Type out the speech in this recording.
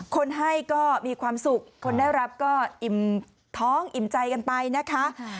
คนให้ก็มีความสุขคนได้รับก็อิ่มท้องอิ่มใจกันไปนะคะ